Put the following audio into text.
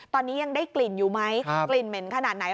ตอนนี้ยังได้กลิ่นอยู่ไหมกลิ่นเหม็นขนาดไหน